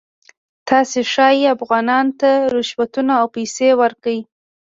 تاسې ښایي افغانانو ته رشوتونه او پیسې ورکړئ.